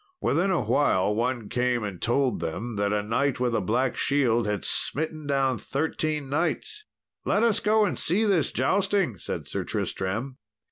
Within a while one came and told them that a knight with a black shield had smitten down thirteen knights. "Let us go and see this jousting," said Sir Tristram.